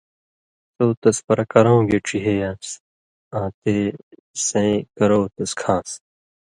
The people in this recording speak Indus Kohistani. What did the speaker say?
سو تس پرہ کرؤں گائ ڇہے یان٘س آں تے سیں کرؤ تس کھان٘س۔